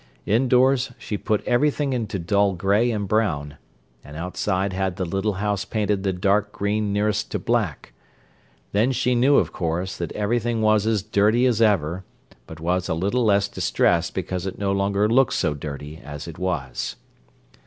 Indoors, she put everything into dull gray and brown, and outside had the little house painted the dark green nearest to black. Then she knew, of course, that everything was as dirty as ever, but was a little less distressed because it no longer looked so dirty as it was.